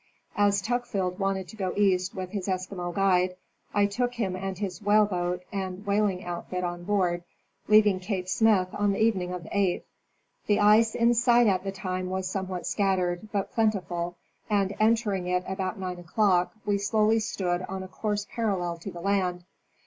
As Tuckfield wanted to go east with his Eskimo guide, I took him and his whale, boat and whaling outfit on board, leaving Cape Smyth on the evening of the 8th. The ice in sight at the time was somewhat scattered, but plenti ful, and entering it about nine o'clock we slowly stood on a course parallel to the land.